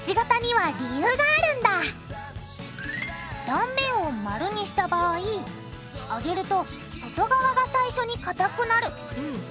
断面を丸にした場合揚げると外側が最初にかたくなる。